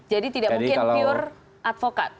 jadi tidak mungkin pure advokat